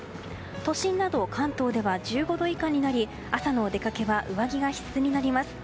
都心など関東では１５度以下になり朝のお出かけは上着が必須になります。